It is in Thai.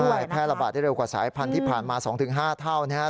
ใช่แพร่ระบาดได้เร็วกว่าสายพันธุ์ที่ผ่านมา๒๕เท่านะครับ